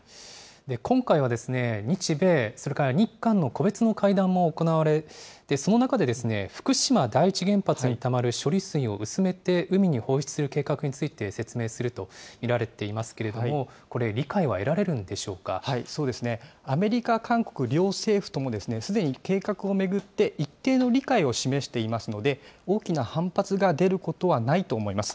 今回は日米それから日韓の個別の会談も行われ、その中で福島第一原発にたまる処理水を薄めて海に放出する計画について説明すると見られていますけれども、これ、理解は得られるアメリカ、韓国、両政府ともすでに計画を巡って一定の理解を示していますので、大きな反発が出ることはないと思います。